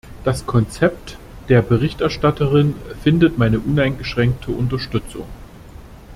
Das Konzept der Berichterstatterin findet meine uneingeschränkte Unterstützung.